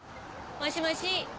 もしもし？